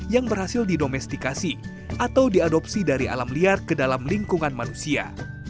yang berhasil didomestikasi atau diadopsi dari alam liar ke dalam lingkungan manusia